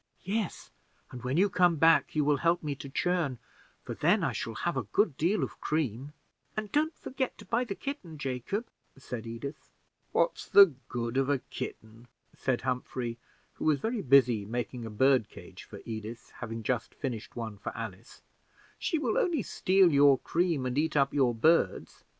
"Yes, and when you come back you will help me to churn for then I shall have a good deal of cream." "And don't forget to buy the kitten, Jacob," said Edith. "What's the good of a kitten?" said Humphrey, who was very busy making a bird cage for Edith, having just finished one for Alice; "she will only steal your cream and eat up your birds."